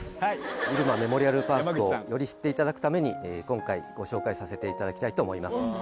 入間メモリアルパークをより知っていただくために今回、ご紹介させていただきたいと思います。